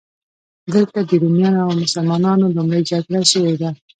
دلته د رومیانو او مسلمانانو لومړۍ جګړه شوې ده.